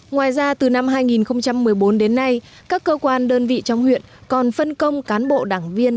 ngoài ra từ năm hai nghìn một mươi bốn đến nay các cơ quan đơn vị trong huyện còn phân công cán bộ đảng viên